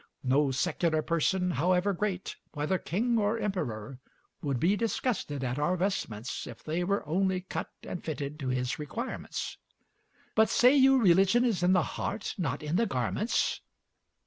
No secular person, however great, whether king or emperor, would be disgusted at our vestments if they were only cut and fitted to his requirements. But, say you, religion is in the heart, not in the garments?